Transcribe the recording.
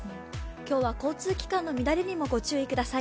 今日は交通機関の乱れにもご注意ください。